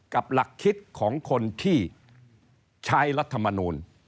หลักคิดของคนที่ใช้รัฐมนูล